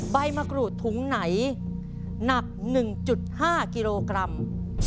ใบมะกรูดถุงไหนหนัก๑๕กิโลกรัม